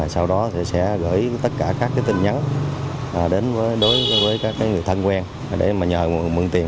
sau đó thì sẽ gửi tất cả các cái tin nhắn đến với đối với các cái người thân quen để mà nhờ mượn tiền